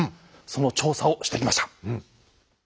その調査をしてきました。